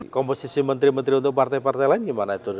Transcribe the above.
komposisi menteri menteri untuk partai partai lain gimana itu